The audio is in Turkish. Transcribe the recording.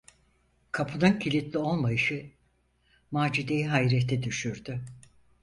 Kapının kilitli olmayışı Macide’yi hayrete düşürdü.